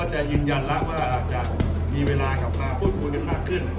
จะยืนยันแล้วว่าอาจจะมีเวลากลับมาพูดคุยกันมากขึ้น